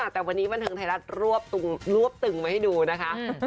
แต่วันนี้บันเทิงไทยรัฐรวบรวบตึงมาให้ดูนะคะ